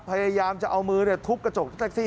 พยายามจะเอามือทุบกระจกรถแท็กซี่